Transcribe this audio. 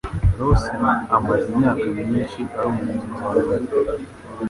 Rosa amaze imyaka myinshi ari umunyamabanga